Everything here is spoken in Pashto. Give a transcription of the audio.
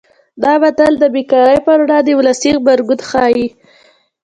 دا متل د بې کارۍ پر وړاندې ولسي غبرګون ښيي